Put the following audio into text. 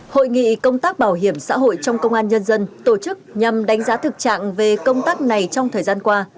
hội nghị công tác bảo hiểm xã hội trong công an nhân dân tổ chức nhằm đánh giá thực trạng về công tác này trong thời gian qua